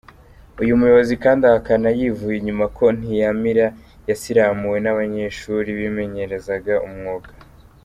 Uyu muyobozi kandi ahakana yivuye inyuma ko Ntiyamira yasiramuwe n’abanyeshuri bimenyerezaga umwuga.